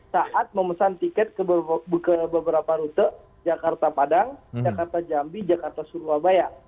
saat memesan tiket ke beberapa rute jakarta padang jakarta jambi jakarta surabaya